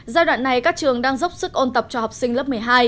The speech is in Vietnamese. giai đoạn này các trường đang dốc sức ôn tập cho học sinh lớp một mươi hai